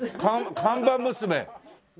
看板娘。